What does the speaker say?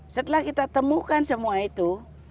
setelah kita temukan semua itu